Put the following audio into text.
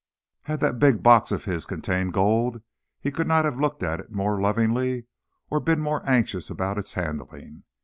Had that big box of his contained gold, he could not have looked at it more lovingly or been more anxious about its handling.